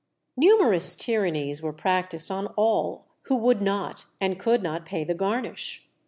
Numerous tyrannies were practised on all who would not and could not pay the garnish.